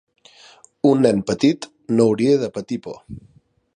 Un nen petit no hauria de patir por.